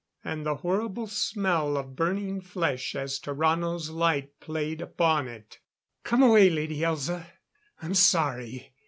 And the horrible smell of burning flesh as Tarrano's light played upon it... "Come away, Lady Elza. I'm sorry.